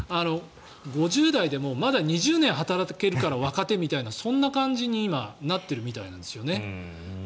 ５０代でもまだ２０年働けるから若手みたいな、そんな感じに今なっているみたいなんですよね。